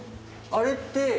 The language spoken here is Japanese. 「あれって」